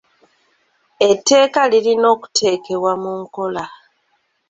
Eteeka lirina okuteekebwa mu nkola.